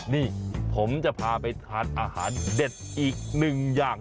นี่ผมจะพาไปทานอาหารเด็ดอีกหนึ่งอย่าง